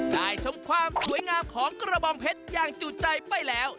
ชมความสวยงามของกระบองเพชรอย่างจุดใจไปแล้ว